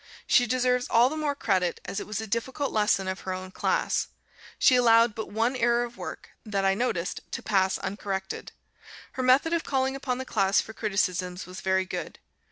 She deserves all the more credit, as it was a difficult lesson of her own class. She allowed but one error of work that I noticed to pass uncorrected. Her method of calling upon the class for criticisms was very good.